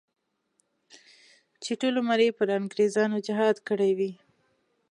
چې ټول عمر یې پر انګریزانو جهاد کړی وي.